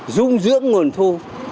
dung dưỡng nguồn thu